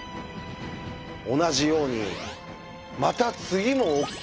同じようにまた次もＯＫ！